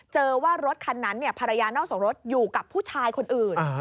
เจอว่ารถคันนั้นภรรยานอกสมรสอยู่กับผู้ชายคนอื่น